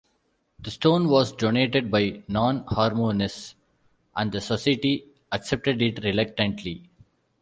The stone was donated by Non-Harmonists, and the Society accepted it reluctantly.